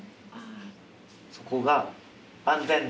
そこが安全だから。